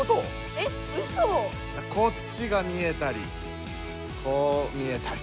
⁉えっウソ⁉こっちが見えたりこう見えたりとか。